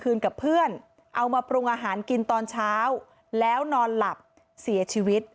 กับเพื่อนเอามาปรุงอาหารกินตอนเช้าแล้วนอนหลับเสียชีวิต